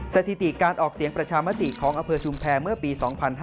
สถิติการออกเสียงประชามติของอำเภอชุมแพรเมื่อปี๒๕๕๙